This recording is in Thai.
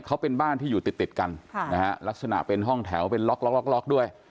เขาเป็นบ้านที่อยู่ติดติดกันลักษณะเป็นห้องแถวเป็นล็อกล็อกด้วย